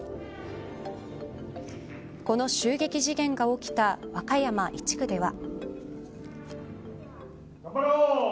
この襲撃事件が起きた和歌山１区では。